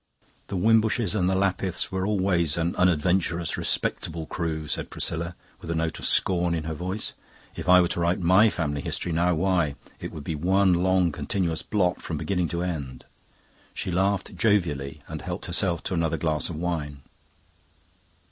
"The Wimbushes and the Lapiths were always an unadventurous, respectable crew," said Priscilla, with a note of scorn in her voice. "If I were to write my family history now! Why, it would be one long continuous blot from beginning to end." She laughed jovially, and helped herself to another glass of wine.